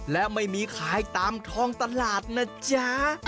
และไม่มีขายตามท้องตลาดนะจ๊ะ